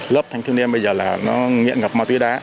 lớp thanh thiếu niên bây giờ là nó nghiện ngập ma túy đá